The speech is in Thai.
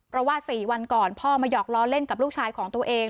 เพราะว่า๔วันก่อนพ่อมาหยอกล้อเล่นกับลูกชายของตัวเอง